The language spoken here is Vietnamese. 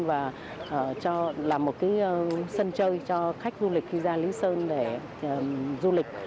và là một sân chơi cho khách du lịch khi ra lý sơn để du lịch